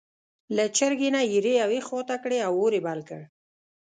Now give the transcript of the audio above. له چرګۍ نه یې ایرې یوې خوا ته کړې او اور یې بل کړ.